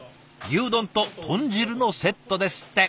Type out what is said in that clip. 牛丼と豚汁のセットですって。